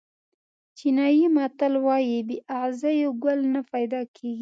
چینایي متل وایي بې اغزیو ګل نه پیدا کېږي.